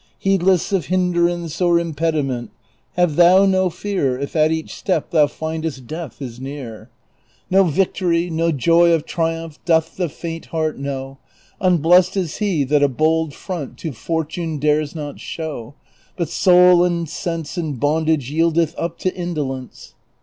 Heedless of hinderance or impediment, Have thou no fear If at each step thou findest death is near. 368 DON QUIXOTE. No victory, No joy of triumph doth the faint heart know; Unblest is he That a bold front to Portune dares not show, But soul and sense In bondage yieldeth up to indolence.